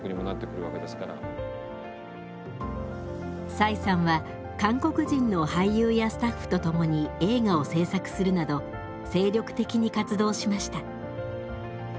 崔さんは韓国人の俳優やスタッフと共に映画を制作するなど精力的に活動しました。